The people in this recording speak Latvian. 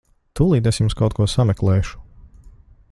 Tūlīt es jums kaut ko sameklēšu.